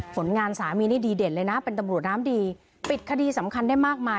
ผลงานสามีนี่ดีเด่นเลยนะเป็นตำรวจน้ำดีปิดคดีสำคัญได้มากมาย